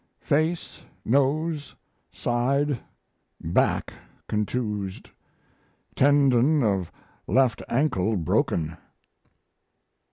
Face, nose, side, back contused; tendon of left ankle broken.